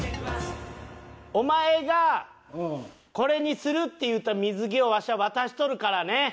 お前がこれにするって言うた水着をわしは渡しとるからね！